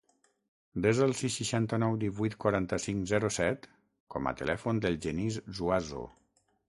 Desa el sis, seixanta-nou, divuit, quaranta-cinc, zero, set com a telèfon del Genís Zuazo.